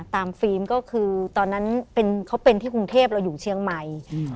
ฟิล์มก็คือตอนนั้นเขาเป็นที่กรุงเทพเราอยู่เชียงใหม่